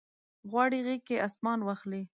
غواړي غیږ کې اسمان واخلي